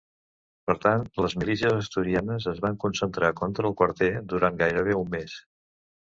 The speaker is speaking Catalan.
Per tant, les milícies asturianes es van concentrar contra el quarter durant gairebé un mes.